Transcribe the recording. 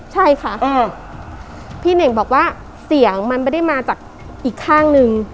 ใช่ค่ะพี่เน่งบอกว่าเสียงมันไม่ได้มาจากอีกข้างนึง